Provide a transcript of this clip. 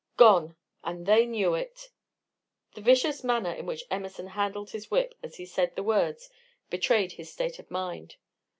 "Gone! and they knew it." The vicious manner in which Emerson handled his whip as he said the words betrayed his state of mind.